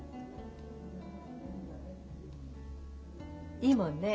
いいもんね。